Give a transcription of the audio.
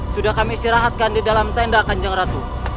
sudah kami istirahatkan di dalam tenda kanjeng ratu